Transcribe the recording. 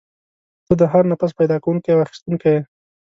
ته د هر نفس پیدا کوونکی او اخیستونکی یې.